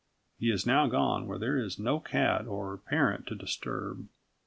He is now gone where there is no cat or parent to disturb.